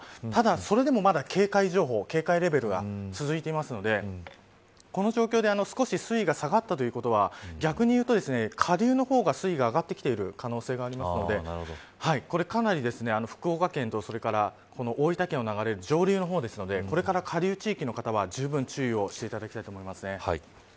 ただそれでもまだ警戒情報警戒レベルが続いているのでこの状況で少し水位が下がったということは逆に言うと下流の方が水位が上がってきてる可能性があるのでこれかなり福岡県と大分県を流れる上流の方ですのでこれから下流地域の方はじゅうぶん注意をしていただきたいと思います。